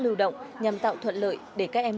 lưu động nhằm tạo thuận lợi để các em